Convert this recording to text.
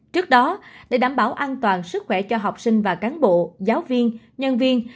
trước đó để đảm bảo an toàn sức khỏe cho học sinh và cán bộ giáo viên nhân viên